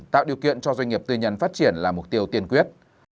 tạo điều kiện cho doanh nghiệp tư nhân phát triển là mục tiêu tiên quyết